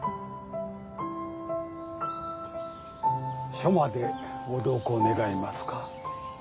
署までご同行願えますか？